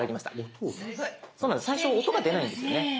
最初音が出ないんですね。